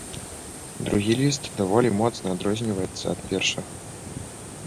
Другі ліст даволі моцна адрозніваецца ад першага.